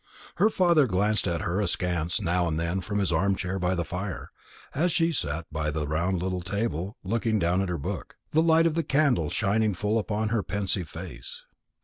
Her father glanced at her askance now and then from his arm chair by the fire, as she sat by the little round table looking down at her book, the light of the candles shining full upon her pensive face.